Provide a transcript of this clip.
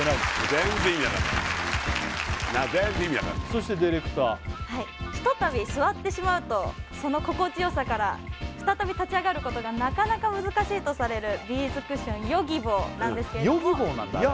全然意味わかんない全然意味わかんないそしてディレクターひとたび座ってしまうとその心地よさから再び立ち上がることがなかなか難しいとされるビーズクッションＹｏｇｉｂｏなんですけれどもあっＹｏｇｉｂｏなんだあれ